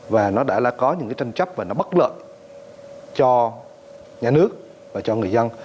và nó đã có những cái tranh chấp và nó bất lợi cho nhà nước và cho người dân